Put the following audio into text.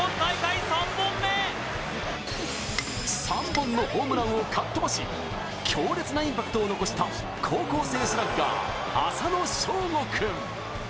３本のホームランをかっ飛ばし強烈なインパクトを残した高校生スラッガー・浅野翔吾君。